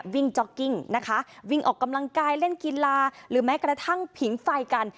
จ๊อกกิ้งนะคะวิ่งออกกำลังกายเล่นกีฬาหรือแม้กระทั่งผิงไฟกัน